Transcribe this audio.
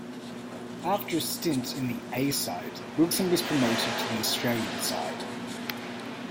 After a stint in the 'A' side, Wilson was promoted to the Australian side.